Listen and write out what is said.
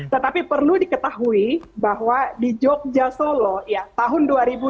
tetapi perlu diketahui bahwa di jogja solo tahun dua ribu dua puluh